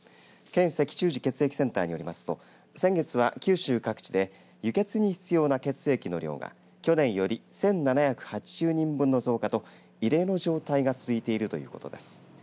県赤十字血液センターによりますと先月は九州各地で輸血に必要な血液の量が去年より１７８０人分の増加と異例の状態が続いているということです。